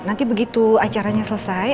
nanti begitu acaranya selesai